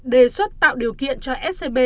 đề xuất tạo điều kiện cho scb